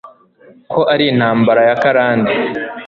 ko ari intambara y'akarande